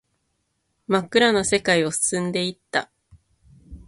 真っ暗な世界を進んでいった